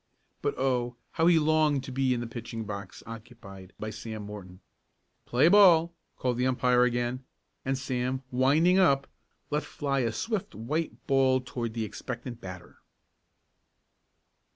But oh! how he longed to be in the pitching box occupied by Sam Morton! "Play ball!" called the umpire again, and Sam, "winding up," let fly a swift white ball toward the expectant batter.